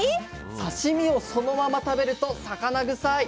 「刺身をそのまま食べると魚臭い！！」。